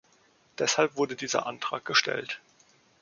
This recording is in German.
Deshalb wurde dieser Antrag gestellt.